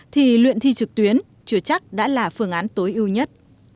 thì luyện thi trực tuyến chưa chắc đã là phương án tối ưu nhất